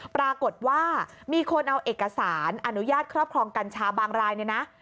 ปรากฏว่ามีคนเอาเอกสารอนุญาตครอบครองกัญชาบางรายเนี่ยนะ